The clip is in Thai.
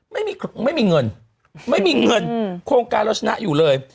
ไม่มีเงินโครงการเราชนะอยู่เลย